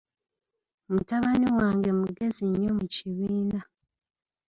Mutabani wange mugezi nnyo mu kibiina.